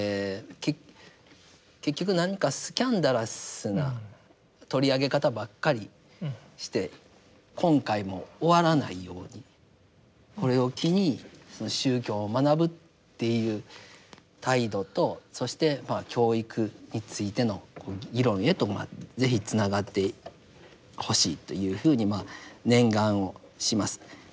結局何かスキャンダラスな取り上げ方ばっかりして今回も終わらないようにこれを機に宗教を学ぶっていう態度とそして教育についての議論へと是非つながってほしいというふうにまあ念願をします。